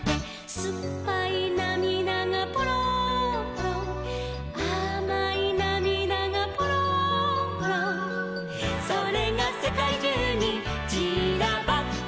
「すっぱいなみだがぽろんぽろん」「あまいなみだがぽろんぽろん」「それがせかいじゅうにちらばって」